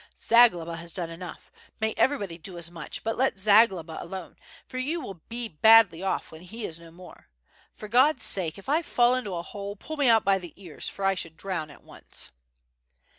Zagloba has done enough, may everybody do as much, but let Zagloba alone, for you will be badly off when he is no more. For God's sake, if 1 fall into a hole, pull me out by the ears, for I should drown at once."